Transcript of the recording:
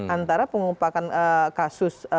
antara pengumpulkan kasus